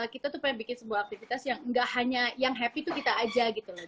kita tuh pengen bikin sebuah aktivitas yang nggak hanya yang happy tuh kita aja gitu loh